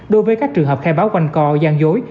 đối với các trường hợp khai báo quanh co gian dối